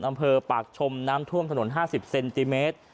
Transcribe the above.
อำเภอปากชมน้ำท่วมถนน๕๐เซนติเมตร